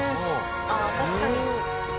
あ確かに。